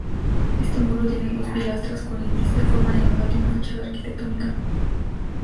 Este muro tiene dos pilastras corintias y forman en el patio una fachada arquitectónica.